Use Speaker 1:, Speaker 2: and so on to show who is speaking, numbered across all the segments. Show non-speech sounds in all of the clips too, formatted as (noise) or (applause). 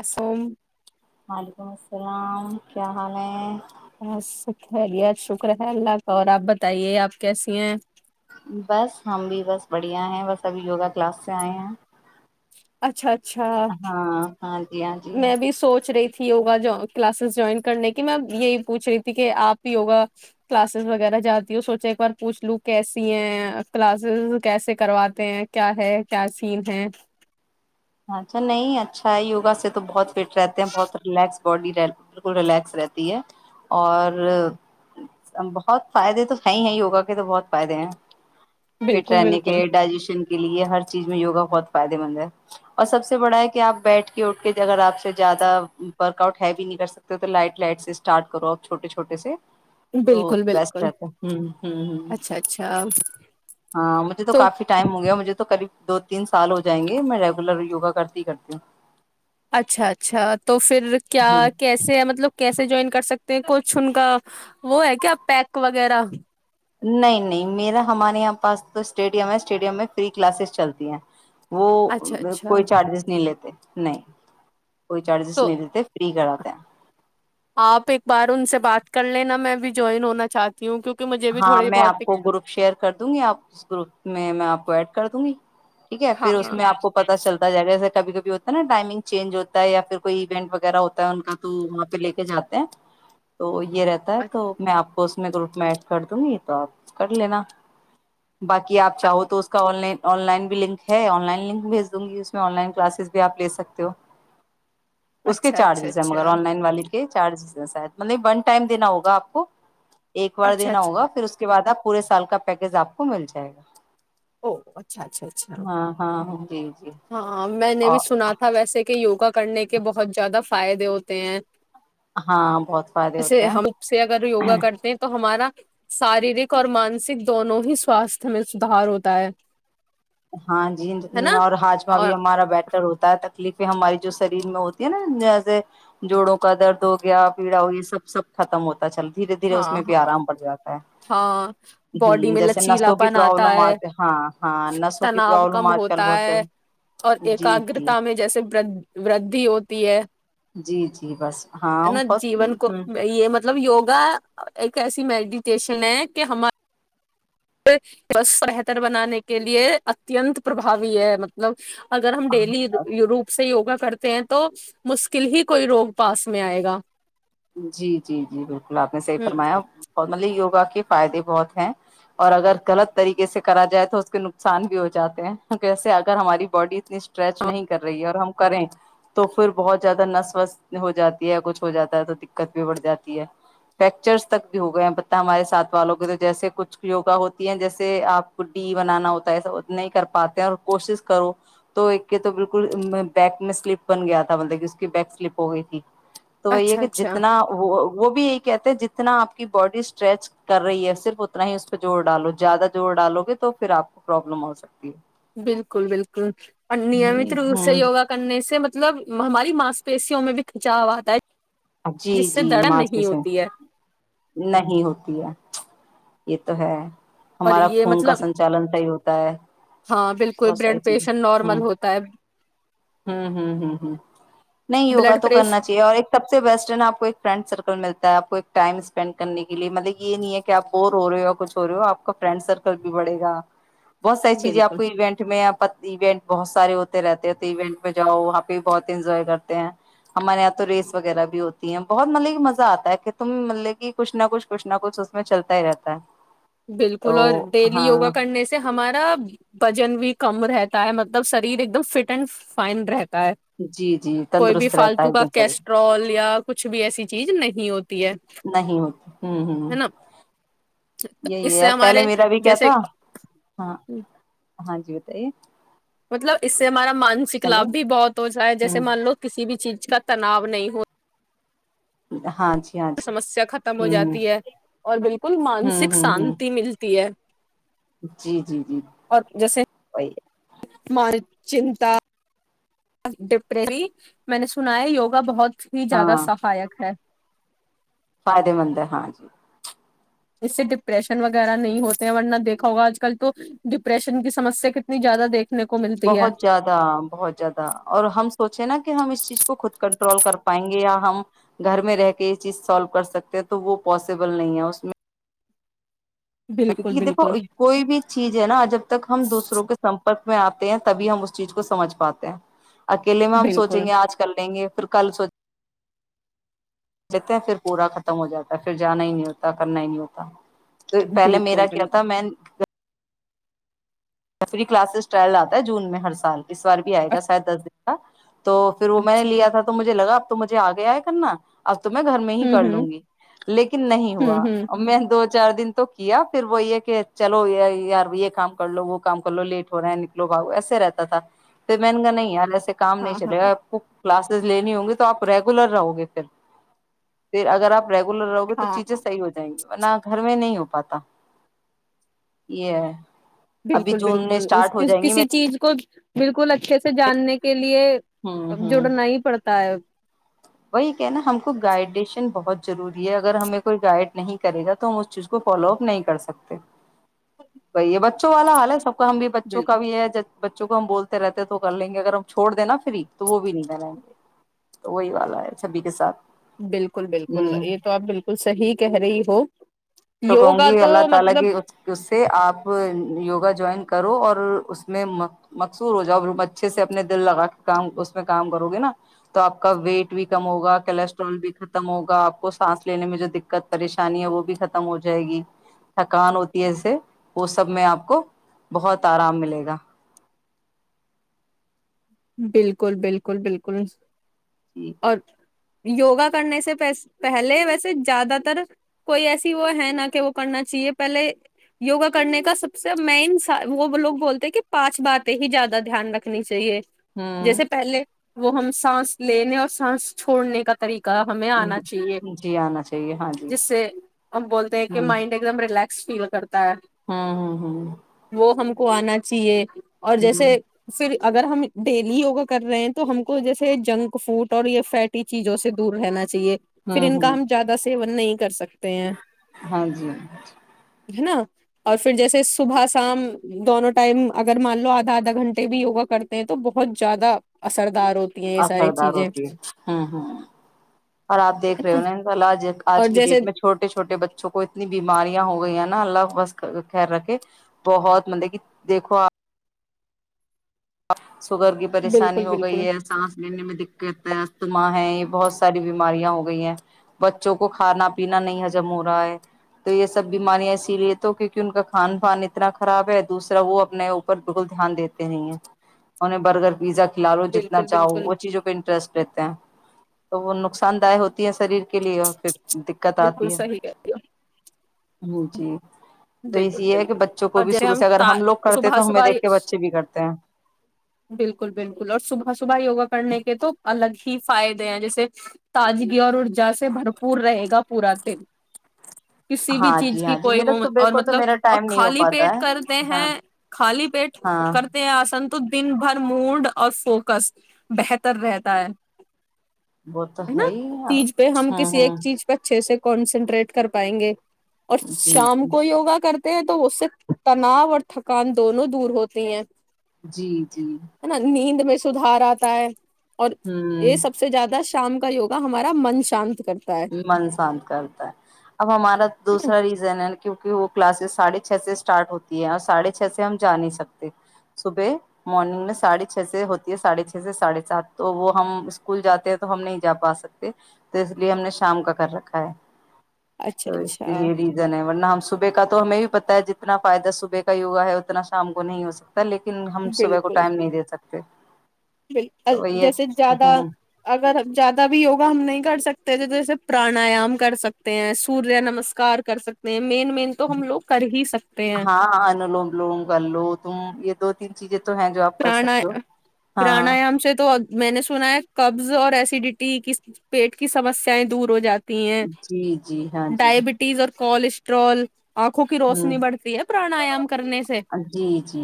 Speaker 1: آسام
Speaker 2: پرلام کیا حال ہے
Speaker 1: ب شکر ہے گت شکر ہے اللہ کا اور آپ بتائیے آپ کیسی ہیں
Speaker 2: بس ہم بھی بس بڑھیا ہیں بس ابھی یوگا کلاس سے آئے ہیں
Speaker 1: اچھا اچھا
Speaker 2: ہاں ہاں جی ہاں جی
Speaker 1: میں بھی سوچ رہی تھی گا کلاسز جوائن کرنے کی میں یہی پوچھ رہی تھی کہ آپ ہی وگا کلاسز وغیرہ جاتی ہو سوچا ایک بار پوچھ لوں کیسی ہیں کلاسز کیسے کرواتے ہیں کیا ہے کیا سین ہے
Speaker 2: اچھا نہیں اچھا ہے یوگا سے تو بہت فٹ رہتے ہیں بہت ریلیکس باڈی بالکل رلیکس رہتی ہے اور بہت فائدے تو ہیں ہی ہیں یوگا کے تو بہت فائدے ہیں پٹ
Speaker 1: بالکل
Speaker 2: رہنے کے
Speaker 1: بالکل
Speaker 2: ڈائجیشن کے لیے ہر چیز میں وگا بہت فائدے مند ہے اور سب سے بڑا ہے کہ آپ بیٹھ کے اٹھ کے اگر آپ سے زیادہ ورک آؤٹ ہےوی نہیں کر سکتے تو لائٹ لائٹ سے اسٹارٹ کرو آپ چھوٹے چھوٹے سے تو
Speaker 1: بالکل
Speaker 2: بیسٹ
Speaker 1: بالکل
Speaker 2: رہتا ہ ہ ہ
Speaker 1: اچھا اچھا
Speaker 2: ہاں مجھے تو کافی ٹائم ہو گیا مجھے تو قریب دو تین سال ہو جائیں گے میں ل یوگا کرتی ہی کرتی ہوں
Speaker 1: اچھا اچھا تو پھر کیا
Speaker 2: ہاں جی
Speaker 1: کیسے مطلب کیسے جوائن کر سکتے کچھ ان کا وہ ہے کیا پیک وغیرہ
Speaker 2: نہیں نہیں میرا ہمارے یہاں پاس تو اسٹیڈیم ہے اسٹیڈیم میں فری کلاسز چلتی ہیں وہ
Speaker 1: اچھا اچھا
Speaker 2: کوئی چارجز نہیں لیتے نہیں کوئی چارجز
Speaker 1: تو
Speaker 2: نہیں دیتے فری کرا
Speaker 1: آپ ایک بار ان سے بات کر لینا میں بھی جوائن ہونا چاہتی ہوں کیکہ
Speaker 2: ہاں میں آپ کو گروپ شیئر کر دوں گی آپ گروپ میں آپ کو ایڈ کر دوں گی ٹھیک ہے
Speaker 1: ہاں
Speaker 2: پھر اس
Speaker 1: ہاں
Speaker 2: میں آپ کو پت چلتا جائے گا جیسے کبھی کبھی ہوتا ہے نا ٹائمنگ چینج ہوتا ہے یا پھر کوئی ایونٹ وغیرہ ہوتا ہے ان کا تو وہاں پہ لے کے جاتے ہیں تو یہ رہتا ہے تو میں آپ پس میں گ روپ میں کر دوں گی تو آپ کر لینا باقی آپ چاہو تو اس کا آن لائن آن لائن بھی لنک ہے آن لائن لک بھیج دوں گی اس آن لائن کلاسز بھی آپ لے سکتے ہو اسو کے
Speaker 1: اچھا اچھا اچھا
Speaker 2: چارجز ہیں مگر آن
Speaker 1: اچھا
Speaker 2: لائن والی چارجزاید مطلب ون ٹائم دینا ہوگا آپ کو دینا
Speaker 1: اچھا
Speaker 2: ہوگا پھر اس کے بعد آپ پورے سال کا پیکیج آپ کو مل جائے گا
Speaker 1: او اچھا اچھا اچھا
Speaker 2: ہاں ہاں ہو ج جی
Speaker 1: ہاں میں نے بھی
Speaker 2: اور
Speaker 1: سنا تھا ویسے کہ یوگا کرنے کے بہت زیادہ فائدے ہوتے ہیں
Speaker 2: ہاں بہت فائدے
Speaker 1: جسے
Speaker 2: ہوتے ہیں
Speaker 1: ہم سے اگر یوگا کرتے ہیں تو ہمارا شاریرک اور مانسک دونوں ہی سواستھ میں سدھار ہوتا ہے
Speaker 2: ہاں جی
Speaker 1: ہے نا
Speaker 2: اور ہاج ھی
Speaker 1: اور
Speaker 2: ہمارا بیٹھا ر ہوتا ہے تکلیفیں ہماری جو شریر میں ہوتی ہے نا جیسے جوڑوں کا درد ہو گیا پیڑا ہو گیا سب سب ختم ہوتا پتا چل دھیرے دھیرے
Speaker 1: ہاں
Speaker 2: اس میں بھی
Speaker 1: ہاں
Speaker 2: آرام پڑ جاتا ہے
Speaker 1: ہاں باڈی میں
Speaker 2: جیسے
Speaker 1: لچیلا
Speaker 2: نسوں کی
Speaker 1: پن آتا
Speaker 2: پرابلم
Speaker 1: ہے
Speaker 2: آتے ہاں ہاں نسوں کی
Speaker 1: تناؤ
Speaker 2: پرابلم
Speaker 1: کم
Speaker 2: آج کل
Speaker 1: ہوتا
Speaker 2: بہت چل
Speaker 1: ہے اور
Speaker 2: جی جی
Speaker 1: ایکاگگرتا میں جیسے وددی ہوتی ہے
Speaker 2: جی جی بس
Speaker 1: ہے
Speaker 2: ہاں
Speaker 1: نا جیون کو
Speaker 2: بہت
Speaker 1: یہ مطلب یوگا کہ کیسی میڈی اسٹیشن ہے کہ ہمار بہتر بنانے کے لیے اتنت پربھوی ہے مطلب اگر ہم ڈیلی روپ سے وگا کرتے ہیں تو مشکل ہی کوئی روگ پاس میں آئے گا
Speaker 2: جی جی جی بالکل آپ نے صحیح
Speaker 1: ہ
Speaker 2: فرمایا فارملی یوگا کے فائدے بہت ہیں اور اگر غلط طریقے سے کرا جائے تو اس کے نقصان بھی ہو جاتے ہیں کیسے اگر ہماری باڈی اتنی اسٹریچ نہیں کر رہی ہے اور ہم کریں تو پھر بہت زیادہ نس وس ہو جاتی ہے کچھ ہو جاتا ہے تو دقت بھی بڑھ جاتی ہے فیکچرس تک بھی ہو گئے ہیں پت ہمارے ساتھ والوں کے تو جیسے کچھ یوگا ہوتی ہیں جیسے آپ کو ڈی بنانا ہوتا ہےسا نہیں کر پاتے اور کوشش کرو تو ایک کے تو بالکل بیک میں سلپ بن گیا تھا مطلب کہ اس کی بیک سلپ ہو گئی تھی تو وہی ہے
Speaker 1: اچھا
Speaker 2: کہ
Speaker 1: اچھا
Speaker 2: جتنا وہ وہ بھی ایک کہتے جتنا آپ کی باڈی اسٹریچ کر رہی ہے صرف اتنا ہی اس پہ جوور ڈالو زیادہ زور ڈالو گے تو پھر آپ کو پروابلم ہو سکتی ہے
Speaker 1: بالکل بالکل اور نیمت
Speaker 2: جی
Speaker 1: روپ سے
Speaker 2: ہاں
Speaker 1: یوگا کرنے سے مطلب ہماری مانسپیشیوں میں بھی کھچاؤ آتا ہے
Speaker 2: جی
Speaker 1: جس سے
Speaker 2: جی
Speaker 1: درد
Speaker 2: ماسی
Speaker 1: نہیں
Speaker 2: سے
Speaker 1: ہوتی ہے
Speaker 2: نہیں ہوتی ہے یہ تو ہے
Speaker 1: اور
Speaker 2: ہمارا
Speaker 1: یہ
Speaker 2: خون کا
Speaker 1: مطلب
Speaker 2: سنچالن صحیح ہوتا ہے
Speaker 1: ہاں بالکل
Speaker 2: بہت ساری
Speaker 1: بلڈ
Speaker 2: چیزیں
Speaker 1: پریشر
Speaker 2: ہ
Speaker 1: نارمل ہوتا ہے
Speaker 2: ہ ہ ہ ہ نہیں یوگا
Speaker 1: بلڈ
Speaker 2: تو کرنا
Speaker 1: پریشر
Speaker 2: چاہیے اور ایک آپ کو ایک فرینڈ سرکل ملتا ہے آپ کو ایک ٹائم اسپینڈ کرنے کے لیے مطلب یہ نہیں ہے کہپ بور ہو رہے ہو یا کچھ ہو رہے ہو آپ کا فرینڈ سرکل بھی بڑے گا بہت ساری چیزیں آپ
Speaker 1: بالکل
Speaker 2: کو ایوونٹ میں ایونٹ بہت سارے ہوتے رہتے ہیں تو ایونٹ میں جاؤ وہاں پہ بہت انجوائے کرتے ہیں ہمارے یہاں تو ریس وغیرہ بھی ہوتی ہیں بہت مطلب کہ مزہ آتا ہے کہ تم مطلب کہ کچھ نہ کچھ کچ نہ کچھ اس میں چلتا ہی رہتا ہے تو
Speaker 1: بالکل اور ڈیلی
Speaker 2: ہاں
Speaker 1: یوگا کرنے سے ہمارا وزن بھی کم رہتا ہے مطلب شریر ایک دم فٹ اینڈ فائن رہتا
Speaker 2: جی جی
Speaker 1: کوئی بھی
Speaker 2: تندرست رہتا ہے
Speaker 1: فالتو
Speaker 2: ایک
Speaker 1: کا
Speaker 2: دم شریر
Speaker 1: کیسٹرول یا کچھ بھی ایسی چیز نہیں ہوتی ہے
Speaker 2: نہیں ہوتی ہوں
Speaker 1: ہے
Speaker 2: ہ
Speaker 1: نا
Speaker 2: یہی
Speaker 1: اس
Speaker 2: ہے
Speaker 1: سے
Speaker 2: یار پہلے
Speaker 1: ہمارے
Speaker 2: میرا بھی کیا
Speaker 1: جیسے
Speaker 2: تھا ہاں ہاں جی بتائیے
Speaker 1: مطلب اس سے ہمارا مانسک
Speaker 2: ہیلو
Speaker 1: لابھ بھی بہت ہوتاا ہے جیسے
Speaker 2: ہوں
Speaker 1: مان لو کسی بھی چیز کا تناؤ نہیں ہو
Speaker 2: ہاں جی ہاں جی
Speaker 1: سمسیا ختم ہو
Speaker 2: ہوں
Speaker 1: جاتی ہے اور بالکل
Speaker 2: ہوں
Speaker 1: مانسک
Speaker 2: ہوں ہوں
Speaker 1: شانتی ملتی ہے
Speaker 2: جی جی جی وہی ہے
Speaker 1: م چنتا ڈپری میں نے سنا ہے یوگا بہت ہی زیادہ
Speaker 2: ہاں
Speaker 1: سہایک ہے
Speaker 2: فائدے مند ہے ہاں جی
Speaker 1: اس سے ڈپریشن وغیرہ نہیں ہوتے ورنہ دیکھا ہوگا آج کل تو ڈپریشن کی سمسیا کتنی زیادہ دیکھ
Speaker 2: بہت زیادہ بہت زیادہ اور ہم سوچیں نا کہ ہم اس چیز کو خود کر ٹرول کر پائیں گے یا ہم گھر میں رہ کے یہ چیز سالو کر سکتے ہیں تو وہ پاسبل نہیں ہے اس میں
Speaker 1: بالکل
Speaker 2: کیونکہ دیکھو
Speaker 1: بالکل
Speaker 2: کوئی بھی چیز ہے نا جب تک ہم دوسروں کے سمپرک میں آتے ہیں تبھی ہم اس چیز کو سمجھ پاتے ہیں اکیلے میں ہم سوچیں
Speaker 1: بالکل
Speaker 2: گے آج کر لیں گے پر کل سوچ جتے ہیں پھر پورا ختم ہو جاتا ہے پھر جانا ہی نہیں ہوتا کرنا ہی نہیں ہوتا تو پہلے
Speaker 1: بالکل
Speaker 2: میرا کیا
Speaker 1: بالکل
Speaker 2: تھا میں فری کلاسز ٹرائل آتا ہے جون میں ہر سال اس بار بھی آئے گا شاید دس دن ا تو پھر وہ میں نے
Speaker 1: اچھا
Speaker 2: لیا تھا تو مجھے لگا مجھے آ گیا ہے کرنا اب تو میں گھر میں ہی کر
Speaker 1: ہوں ہوں
Speaker 2: لوں گی لیکن نہیں ہوا
Speaker 1: ہوں ہوں
Speaker 2: ا میں دو چار دن تو کیا پھر وہ یہ کہ چلو یار یہ کام کر لو وہ کام کر لو لیٹ ہو رہا ہیں نکلو بھاو ایسے رہتا تھا پھر من گا نہیں یار ایے کام نہیں
Speaker 1: ہاں
Speaker 2: چلے
Speaker 1: ہاں
Speaker 2: کلاسز لینی ہوں گی تو آپ ریگولر رہو گے پھر پھر اگر آپ ریگولر رہو گے تو
Speaker 1: ہاں
Speaker 2: چیزیں صیح ہو جائ گی ورنہ گھر میں نہیں ہوگی پاتا یہ ابھی
Speaker 1: بالکل
Speaker 2: جون میں
Speaker 1: بالکل اس
Speaker 2: اسٹارٹ ہو جائیں گی
Speaker 1: کسی
Speaker 2: میرے
Speaker 1: چیز کو بالکل اچھے سے جاننے کے لیے
Speaker 2: ہوں ہوں
Speaker 1: جڑنا ہی پڑتا ہے
Speaker 2: وہی کہ نا ہم کو گائیڈیشن بہت ضروری ہے اگر ہمیں کوئی گائڈ نہیں کرے گا تو ہم اس چیز کو فالو اپ نہیں کر سکتے وہ یہ بچوں والا حال ہے سب ہم بھی بچوں کا
Speaker 1: بالکل
Speaker 2: بھی ہے بچوں کو ہم بولتے رہتے تو کر لیں گے اگر ہم چھوڑ دیں نا فری تو وہ بھی نہیں دے رہائیں گے تو وہی والا ہے سبھی کے ساتھ
Speaker 1: بالکل بالکل
Speaker 2: ہوں
Speaker 1: یہ تو آپ بالکل صحیح کہہ رہی ہو یوگا تو مطلب
Speaker 2: (inaudible) ا جوائن کرو اور اس میں مقصور ہو جا ا اچھے سے اپنے دل لگا کے کام اس میں کام کرو گے نا تو آپ کا ویٹ بھی کم ہوگا کولسٹرول بھی ختم ہوگا آپ کو سانس لینے میں جو دقت پریشانی ہے وہ بھی ختم ختم ہو جائے گی تھکان ہوتی ہےسے وہ سب میں آپ کو بہت آرام ملے گا
Speaker 1: بالکل بالکل بالکل
Speaker 2: جی
Speaker 1: اچھ یوگا کرنے سے پہلے ویسے زیادہ تر کوئی ایسی وہ ہے نہ کہ وہ کرنا چاہیے پہلے یوگا کرنے کا سب سے مین وہ لوگ بولتے کہ پانچ باتیں ہی زیادہ دھیان رکھنی چاہیے
Speaker 2: ہوں
Speaker 1: جیسے پہلے وہ ہم سانس لینے اور سانس چھوڑنے کا طریقہ کا ہمیں آنا چاہیے
Speaker 2: جی آنا چاہیے ہاں جی
Speaker 1: جس سے ہم بولتے ہیں کہ مائنڈ ایک دم ریلیکس فیل کرتا ہے
Speaker 2: ہاں ہوں ہ
Speaker 1: وہ ہم کو آنا چاہیے اور جیسے پھر اگر ہم ڈیلی یوگا کر رہے ہیں تو ہم کو جیسے جنک فوڈ اور یہ فیٹی چیزوں سے دور رہنا چاہیے
Speaker 2: ہ
Speaker 1: پھر
Speaker 2: ہ
Speaker 1: ان کا
Speaker 2: ہ
Speaker 1: ہم زیادہ سے نہیں کر سکتا
Speaker 2: ہاں جی
Speaker 1: ہے نا اور پھر جیسے صبح شام دونوں ٹائم اگر مان لو آدھا آدھا گھنٹے بھی وگا کرتے تو بہت زیادہ اثر
Speaker 2: اثردار ہوتی ہے ہ ہ اور آپ دیکھ رہے ہو نا انء اللہ آج
Speaker 1: اور
Speaker 2: کی
Speaker 1: جیسے
Speaker 2: ڈیٹ میں چھوٹے چھوٹے بچوں کو اتنی بی بیماریاں ہو گئییا نا اللہ بس خیر رکھے بہت مطلب کہ دیکھو آپ سگر کی پریشانی
Speaker 1: بالکل
Speaker 2: ہو
Speaker 1: بالکل
Speaker 2: گئی ہے سانس لینے میں دقت ہے ما ہے یہ بہت ساری بیماریاں ہو گئی ہیں بچوں کو کھانا پینا نہیں ہجم ہو رہا ہے تو یہ سب بیماریاں اسی لیے تو کیونکہ ان کا کھان پان اتنا خراب ہے دوسرا وہ اپنے اوپر بالکل دھیان دیتے نہیں ہیں انہ برگر پیزا کھلالو جتنا
Speaker 1: بالکل
Speaker 2: چاہو
Speaker 1: بالکل
Speaker 2: وہ چیزوں پہ انٹرسٹ رہتے ہیں تو وہ نقصان دہ ہوتی ہیں شریر کے لیے پھر دقت
Speaker 1: بالکل
Speaker 2: آتی ہے
Speaker 1: صحیح کہہ رہی
Speaker 2: ہاں جی
Speaker 1: ہو
Speaker 2: تو
Speaker 1: بالکل
Speaker 2: یہی یہ ہے کہ
Speaker 1: بالکل
Speaker 2: بچوں کو
Speaker 1: اور
Speaker 2: بھی
Speaker 1: جیسے
Speaker 2: شروع سے اگر ہم لوگ کرتے ہیں
Speaker 1: صبح
Speaker 2: تو ہمیں دیکھ کے
Speaker 1: صبح
Speaker 2: بچے بھی کرتے ہیں
Speaker 1: بالکل بالکل اور صبح صبح یوگا کرنے کے تو الگ ہی فائدے ہیں جیسے تازگی اور ارجا سے بھرپور رہے گا پورا دن کسی بھی
Speaker 2: ہاں جی
Speaker 1: چیز کی
Speaker 2: ہاں جی
Speaker 1: کوئی
Speaker 2: میرا
Speaker 1: وہ
Speaker 2: سبح
Speaker 1: اور مطلب اور خالی پیٹ کرتے
Speaker 2: ہاں
Speaker 1: ہیں خالی پیٹ
Speaker 2: ہاں
Speaker 1: کرتے ہیں آج تو دن بھر موڈ اور فوکس بہتر رہتا ہے
Speaker 2: وہ تو
Speaker 1: ہے نا
Speaker 2: ہی ہاں
Speaker 1: چیز پہ ہم کسی
Speaker 2: ہاں
Speaker 1: ایک چیز پہ اچھے سے کنسنٹریٹ کر پائیں گے اور
Speaker 2: جی
Speaker 1: شام
Speaker 2: جی
Speaker 1: کو کرتے ہیں تو اس سے تناؤ اور تھکان دونوں دور ہوتی ہیں
Speaker 2: جی جی
Speaker 1: ہے نا نیند میں سدھار آتا ہے اور یہ
Speaker 2: ہوں
Speaker 1: سب سے زیادہ شام کا یوگا ہمارا من شانت کرتا ہے ہے
Speaker 2: من شانت کرتا ہے اب ہمارا
Speaker 1: نا
Speaker 2: دوسرا ریزن ہے کہ کہ وہ کلاسز ساڑھے چھ سے اسٹارٹ ہوتی ہے اور ساڑھے چھ سے ہم جا نہیں سکتے صبح مارنگ میں ساڑھے چھ سے ہوتی ہے سڑھے چھ سے ساڑھے سات تو وہ ہم اسکول جاتے ہیں تو ہم نہیں جا پا سکتے تو اس لیے ہم نے شام کا کر رکھا ہے
Speaker 1: اچھا
Speaker 2: تو اس کا
Speaker 1: اچھا
Speaker 2: یہی ریزن ہے ورنہ صبح کا تو ہمیں بھی پتا ہے جتنا فائدہ صبح کا ہوا ہے اتنا شام کو نہیں ہو سکتا لیکن ہم صبح کو
Speaker 1: بالکل
Speaker 2: ٹائم نہیں دیتاتے کیا
Speaker 1: جیسے زیادہ اگر زیادہ بھی یوگا ہم نہیں کر سکتے سے جیسے پرانایام کر سکتے ہیں سوریہ نمسکار کر سکتے ہیں مین مین تو ہم لوگ کر ہی سکتے ہیں
Speaker 2: ہاں ان لوم لوم گ لو تم یہ دو تین چیز
Speaker 1: پر پرانیام سے تو میں نے سنا ہے قبض اور ایسیڈیٹی کی پیٹ کی سمسیائیں دور ہو جاتی ہیں
Speaker 2: جی جی ہاں جی
Speaker 1: ڈائبٹیز اور کولیسٹرول آنکھوں کی
Speaker 2: ہوں
Speaker 1: روشنی بڑھتی ہے پرانیام کرنے سے
Speaker 2: جی جی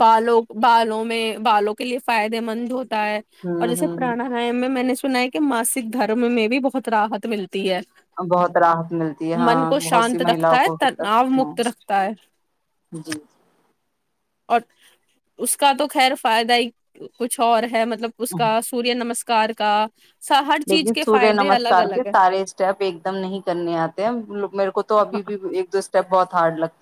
Speaker 1: بالوں بالوں میں بالوں کے لیے فائدے مند ہو ہے اور
Speaker 2: ہوں
Speaker 1: جیسے پرانا
Speaker 2: ہوں
Speaker 1: ہے میں میں نے سن ہے کہ ماسک دھرم میں بھی بہت راحت ملتی ہے
Speaker 2: بہت راحت ملتی ہے ہاں
Speaker 1: من کو
Speaker 2: بہت سی
Speaker 1: شانت
Speaker 2: مہیلاؤ
Speaker 1: رکھتا ہے
Speaker 2: کو ہوتا
Speaker 1: تناؤ
Speaker 2: ہ
Speaker 1: مکت رکھتا ہے
Speaker 2: جی
Speaker 1: اور اس کا تو خیر فائدہ ہی کچھ اور ہے مطب مطلب اس کا سوریہ نمسک کار کا سا ہر چیز
Speaker 2: لیکن
Speaker 1: کے
Speaker 2: سوریہ
Speaker 1: فائدے
Speaker 2: نمسک
Speaker 1: الگ
Speaker 2: کے
Speaker 1: الگ ہے
Speaker 2: سارے اسٹیپ ایک دم نہیں کرنے آتے ہیں میرے کو تو ابھی
Speaker 1: ہاں
Speaker 2: بھی ایک دو اسٹیپ بہت تھارڈ لگ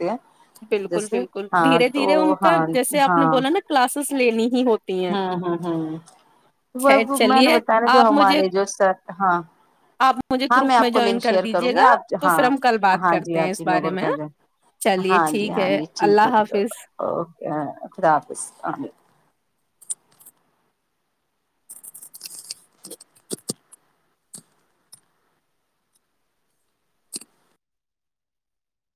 Speaker 1: بالکل بالکل دھیرے
Speaker 2: تو
Speaker 1: دھیرے ان کا
Speaker 2: ہاں
Speaker 1: جیسے آپ نے بولا نا کلاسز لیننی ہی ہوتی ہیں
Speaker 2: ہ ہ ہ وہ
Speaker 1: خیر
Speaker 2: میں نے
Speaker 1: چلیے
Speaker 2: بتا جو
Speaker 1: آپ مجھے
Speaker 2: ہمارے جو سر ہاں
Speaker 1: آپ مجھے
Speaker 2: ہاں میں
Speaker 1: گروپ
Speaker 2: آپ کو
Speaker 1: جوائن
Speaker 2: لنک
Speaker 1: کر
Speaker 2: شیئر کروں
Speaker 1: دیجیے
Speaker 2: گی
Speaker 1: گا
Speaker 2: آپ
Speaker 1: تو
Speaker 2: ہاں
Speaker 1: پھر ہم کل بات
Speaker 2: ہاں جی
Speaker 1: کرتے
Speaker 2: ہاں
Speaker 1: ہیں
Speaker 2: جی
Speaker 1: اس
Speaker 2: میں
Speaker 1: بارے
Speaker 2: گ
Speaker 1: چلیے
Speaker 2: ہاں ج
Speaker 1: ٹھیک ہے اللہ حافظ
Speaker 2: ا خد آفس آ ج